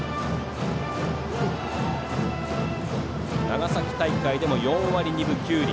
長崎大会でも４割２分９厘。